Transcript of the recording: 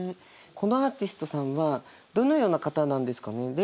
このアーティストさんはどのような方なんですかね？